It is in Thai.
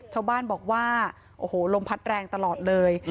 ชาวบ้านบอกว่าโอ้โหลมพัดแรงตลอดเลย